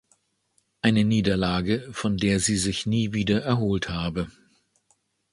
Eine Niederlage, von der sie sich nie wieder erholt“ habe.